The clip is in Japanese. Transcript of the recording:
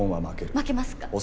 負けますか。